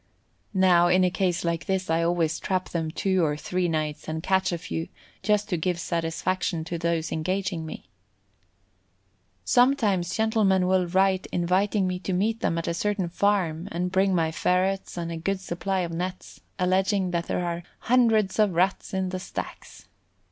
Now, in a case like this I always trap them two or three nights and catch a few, just to give satisfaction to those engaging me. Sometimes gentlemen will write inviting me to meet them at a certain farm, and bring my ferrets and a good supply of nets, alleging that there are "hundreds of Rats in the stacks."